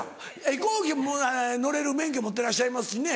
飛行機乗れる免許持ってらっしゃいますしね。